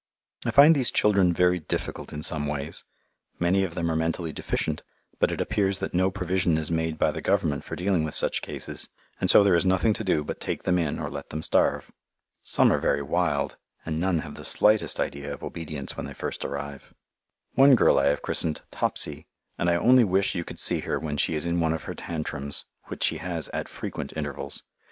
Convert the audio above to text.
I find these children very difficult in some ways; many of them are mentally deficient, but it appears that no provision is made by the Government for dealing with such cases, and so there is nothing to do but take them in or let them starve. Some are very wild and none have the slightest idea of obedience when they first arrive. [Illustration: TOPSY'S AMBITION IS TO BECOME LIKE A FAT PIG] One girl I have christened "Topsy," and I only wish you could see her when she is in one of her tantrums, which she has at frequent intervals.